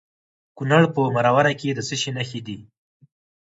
د کونړ په مروره کې د څه شي نښې دي؟